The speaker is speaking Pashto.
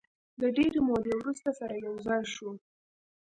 د ډېرې مودې وروسته سره یو ځای شوو.